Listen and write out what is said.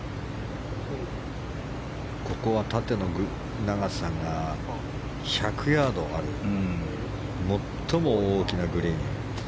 ここは縦の長さが１００ヤードある最も大きなグリーン。